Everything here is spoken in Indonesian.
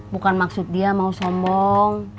bukan maksud dia mau sombong